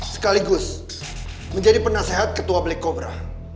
sekaligus menjadi penasehat ketua black cobra